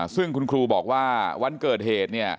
ซึ่งคุณครูบอกว่าวันเกิดเหตุเนี่ย